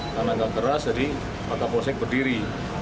karena agak keras jadi mata polsek berdiri